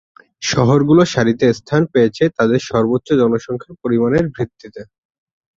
শহরগুলো সারিতে স্থান পেয়েছে তাদের সর্বোচ্চ জনসংখ্যার পরিমানের ভিত্তিতে।